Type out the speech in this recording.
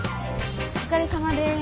お疲れさまです。